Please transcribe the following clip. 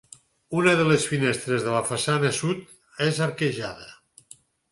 Una de les finestres de la façana sud és arquejada.